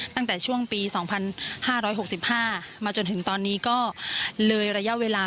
ตั้งแต่ช่วงปี๒๕๖๕มาจนถึงตอนนี้ก็เลยระยะเวลา